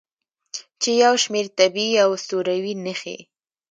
چې یو شمیر طبیعي او اسطوروي نښې